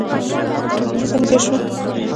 څنګه شو.